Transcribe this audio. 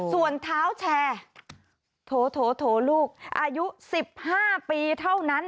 ส่วนเท้าแชร์โถลูกอายุ๑๕ปีเท่านั้น